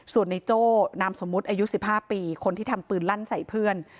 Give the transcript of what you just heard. ส่วนในโจ้นามสมมุติอายุ๑๕ปีคนที่ทำปืนลั่นใส่เพื่อน